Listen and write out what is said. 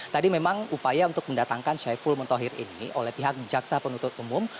tadi memang upaya untuk mendatangkan syaiful muntohir ini oleh pihak jaksa penuntut umum